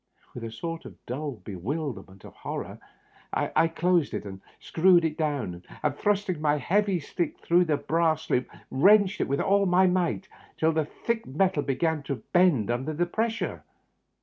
With a sort of dull bewilderment of horror I closed it and screwed it down, and, thrusting my heavy stick through the brass loop, wrenched it with all my might, till the thick metal began to bend under the pressure.